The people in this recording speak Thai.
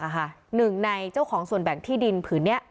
หนึ่งในเจ้าของส่วนแบ่งที่ดินผืนนี้